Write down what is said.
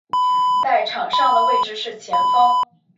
在场上的位置是前锋。